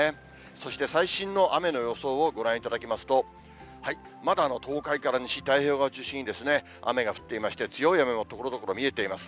そして最新の雨の予想をご覧いただきますと、まだ東海から西、太平洋側を中心に雨が降っていまして、強い雨もところどころ見えています。